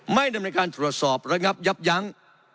ไม่ดำเนินการตรวจสอบระงับยับยั้ง